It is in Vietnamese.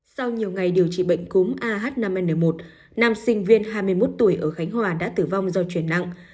sau nhiều ngày điều trị bệnh cúm ah năm n một nam sinh viên hai mươi một tuổi ở khánh hòa đã tử vong do chuyển nặng